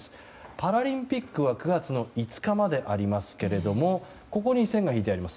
パラリンピックは９月５日までありますが線が引いてあります